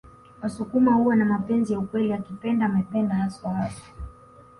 Wasukuma huwa na mapenzi ya ukweli akipenda amependa haswa haswa